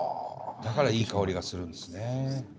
だからいい香りがするんですね。